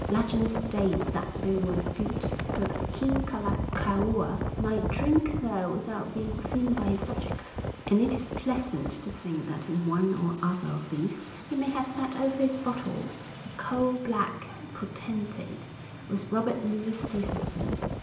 Legend states that they were built so that King Kalakaua might drink there without being seen by his subjects, and it is pleasant to think that in one or other of these he may have sat over his bottle, a coal black potentate, with Robert Louis Stevenson.